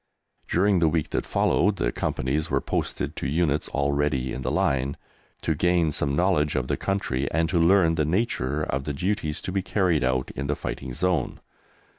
During the week that followed the Companies were posted to units already in the line, to gain some knowledge of the country, and to learn the nature of the duties to be carried out in the fighting zone.